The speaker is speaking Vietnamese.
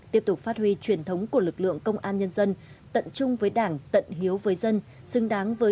tiếp tục phát huy truyền thống của lực lượng công an nhân dân tận chung với đảng tận hiếu với dân